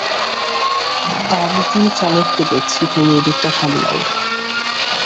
আমি গিয়ে চালককে দেখছি, তুমি এদিকটা সামলাও।